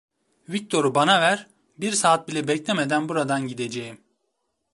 Viktor'u bana ver, bir saat bile beklemeden buradan gideceğim.